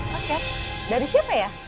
paket dari siapa ya